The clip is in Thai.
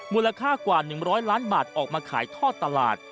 มูลค่ากว่า๑๐๐ล้านบาทออกมาขายทอดตลาด